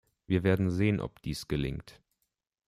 Wir werden sehen, ob dies gelingt.